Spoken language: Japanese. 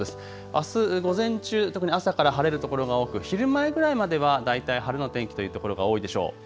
あす午前中、特に朝から晴れる所が多く、昼前ぐらいまでは大体晴れの天気というところが多いでしょう。